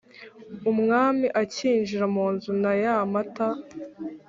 umwami akinjira mu nzu na yá matá